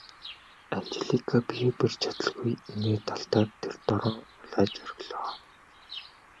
Анжелика биеэ барьж чадалгүй инээд алдаад тэр дороо улайж орхилоо.